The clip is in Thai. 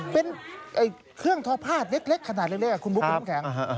เป็นเครื่องทอผ้าเล็กขนาดเล็กคุณบุ๊คคุณน้ำแข็ง